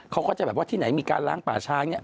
เขาก็จะแบบว่าที่ไหนมีการล้างป่าช้าเนี่ย